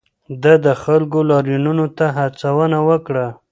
ده د خلکو لاریونونو ته هڅونه وکړه.